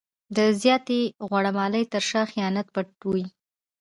د زیاتې غوړه مالۍ تر شا خیانت پټ وي.